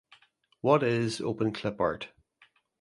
What is Open Clipart?